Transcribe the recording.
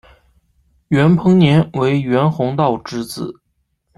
袁彭年为袁宏道之子。